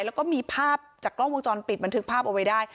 แล้วก็มีภาพจากกล้องวงจรปิดบันทึกภาพเอาไว้ได้